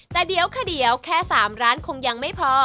แต่เดี๋ยวข้าวเหนียวแค่๓ร้านคงยังไม่พอ